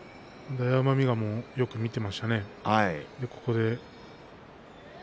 大奄美がよく見ていましたね。